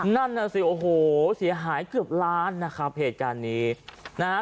นั่นน่ะสิโอ้โหเสียหายเกือบล้านนะครับเหตุการณ์นี้นะฮะ